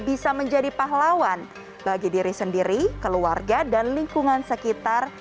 bisa menjadi pahlawan bagi diri sendiri keluarga dan lingkungan sekitar